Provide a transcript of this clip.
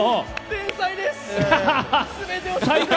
天才です！